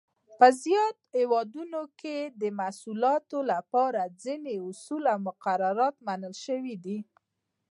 په زیاتو هېوادونو کې د محصولاتو لپاره ځینې اصول او مقررات منل شوي دي.